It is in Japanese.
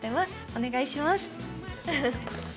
お願いします。